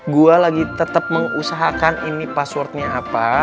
gue lagi tetap mengusahakan ini passwordnya apa